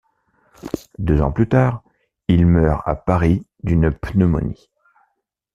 Deux ans plus tard il meurt à Paris d'une pneumonie.